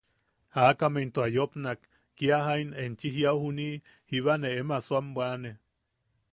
Aakame into a yopnak: –Kia jain enchi jiaʼu juniʼi, jiba ne em asoam bwaʼane.